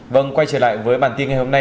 vâng quay trở lại với bản tin ngày hôm nay